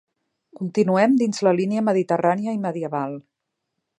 Continuem dins la línia mediterrània i medieval